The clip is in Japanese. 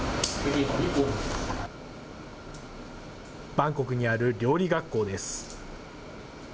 バンコクにある料理学校です。